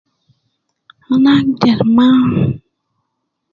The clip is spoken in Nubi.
Ana agder ma